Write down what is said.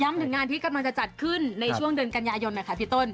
ถึงงานที่กำลังจะจัดขึ้นในช่วงเดือนกันยายนหน่อยค่ะพี่ต้น